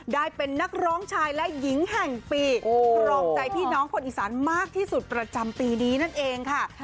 ได้เป็นนักร้องชายและหญิงแห่งปีครองใจพี่น้องคนอีสานมากที่สุดประจำปีนี้นั่นเองค่ะ